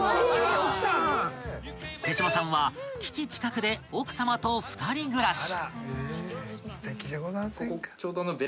［手島さんは基地近くで奥さまと２人暮らし］